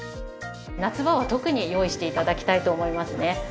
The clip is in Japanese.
夏場は特に用意して頂きたいと思いますね。